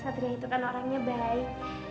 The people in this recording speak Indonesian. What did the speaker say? satria itu kan orangnya baik